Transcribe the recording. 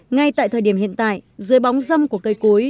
ngay tại thời điểm hiện tại dưới bóng dâm của cây cối